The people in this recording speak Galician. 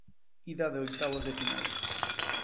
Ida de oitavos de final.